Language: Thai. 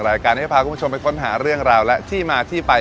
รายการนี้จะพาคุณผู้ชมไปค้นหาเรื่องราวและที่มาที่ไป